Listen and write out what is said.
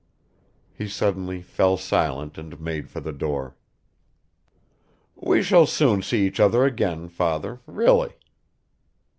.." He suddenly fell silent and made for the door. "We shall soon see each other again, father, really."